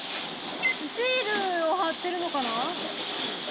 シールを貼ってるのかな？